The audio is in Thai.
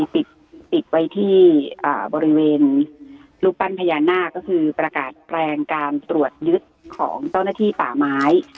ติดไว้ที่บริเวณรูปปั้นพญานาคก็คือประกาศแปลงการตรวจยึดของเจ้าหน้าที่ป่าไม้